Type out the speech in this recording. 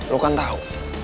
lo kan tau